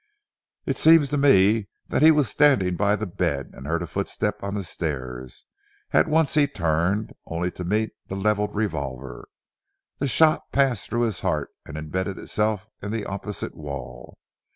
It seems to me, that he was standing by the bed, and heard a footstep on the stairs. At once he turned, only to meet the levelled revolver. The shot passed through his heart and imbedded itself in the opposite wall.